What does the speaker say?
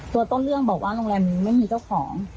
ตัวต้นเรื่องบอกว่าโรงแรมนี้ไม่มีเจ้าของ